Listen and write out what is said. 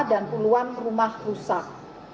dan puluhan rumah rusak